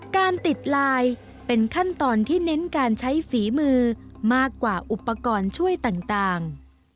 การติดลายเป็นขั้นตอนที่เน้นการใช้ฝีมือมากกว่าอุปกรณ์ช่วยต่าง